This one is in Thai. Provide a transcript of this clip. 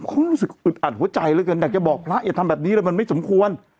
เขารู้สึกอึดอัดหัวใจเหลือเกินอยากจะบอกพระอย่าทำแบบนี้เลยมันไม่สมควร